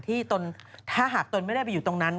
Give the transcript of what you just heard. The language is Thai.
ถ้าหากตนไม่ได้ไปอยู่ตรงนั้น